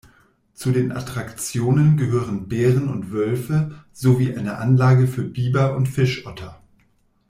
Zu den Attraktionen gehören Bären und Wölfe, sowie eine Anlage für Biber und Fischotter.